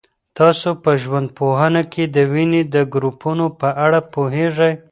تاسو په ژوندپوهنه کي د وینې د ګروپونو په اړه پوهېږئ؟